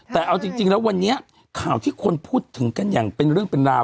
แต่เอาจริงแล้ววันนี้ข่าวที่คนพูดถึงกันอย่างเป็นเรื่องเป็นราว